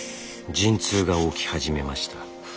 陣痛が起き始めました。